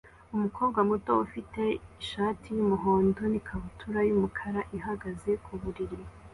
Umukobwa muto ufite ishati y'umuhondo n'ikabutura y'umukara ihagaze ku buriri